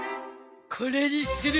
これにする。